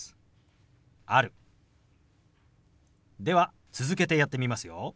では続けてやってみますよ。